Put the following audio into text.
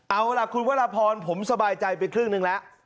เอาล่ะคุณวรพรผมสบายใจไปครึ่งหนึ่งแล้ว